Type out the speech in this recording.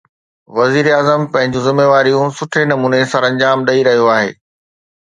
وزيراعظم پنهنجون ذميواريون سٺي نموني سرانجام ڏئي رهيو آهي.